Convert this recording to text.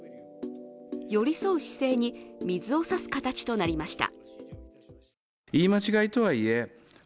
寄り添う姿勢に水を差す形となりました。